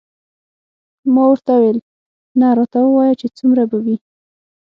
ما ورته وویل نه راته ووایه چې څومره به وي.